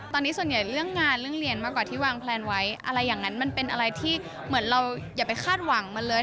ตอนนี้ส่วนใหญ่เรื่องงานเรื่องเรียนมากกว่าที่วางแพลนไว้อะไรอย่างนั้นมันเป็นอะไรที่เหมือนเราอย่าไปคาดหวังมันเลย